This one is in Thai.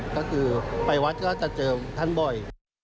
ก็คือไปวัดก็จะเจอท่านบ่อย